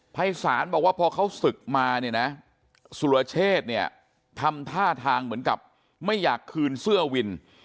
ภัยศาลบอกว่าพอเขาศึกมาเนี่ยนะสุรเชษเนี่ยทำท่าทางเหมือนกับไม่อยากคืนเสื้อวิน